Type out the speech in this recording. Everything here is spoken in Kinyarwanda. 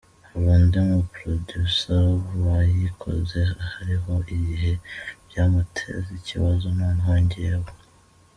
hari undi mu producer wayikoze hariho igihe byamuteza ikibazo, noneho njyewe.